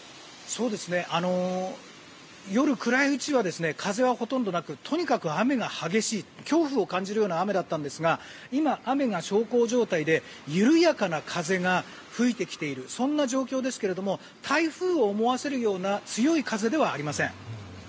夜、暗いうちは風はほとんどなくとにかく雨が激しい恐怖を感じるような雨だったんですが今、雨が小康状態で緩やかな風が吹いてきているそんな状況ですが台風を思わせるような強い風ではありません。